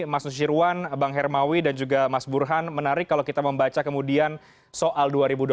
mas nusirwan bang hermawi dan juga mas burhan menarik kalau kita membaca kemudian soal dua ribu dua puluh